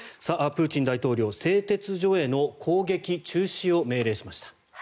プーチン大統領製鉄所への攻撃中止を命令しました。